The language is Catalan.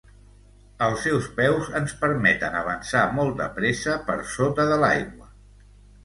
Els seus peus ens permeten avançar molt de pressa per sota de l'aigua.